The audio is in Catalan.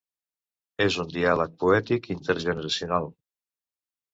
És un diàleg poètic intergeneracional.